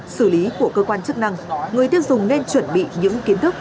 giám sát xử lý của cơ quan chức năng người tiêu dùng nên chuẩn bị những kiến thức